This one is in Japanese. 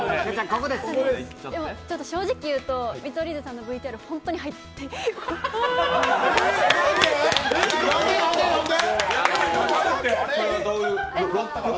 正直言うと、見取り図さんのＶＴＲ本当に入ってこなくてなんで？